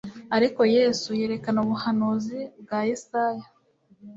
ariko Yesu yerekana ubuhanuzi bwa Yesaya